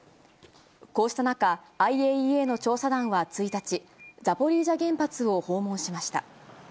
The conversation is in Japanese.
こうした中、ＩＡＥＡの調査団は１日、ザポリージャ原発を訪問しました。